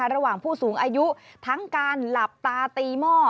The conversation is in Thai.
ผู้สูงอายุทั้งการหลับตาตีหม้อ